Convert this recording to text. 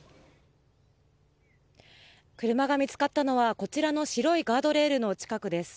車が見つかったのはこちらの白いガードレールの近くです。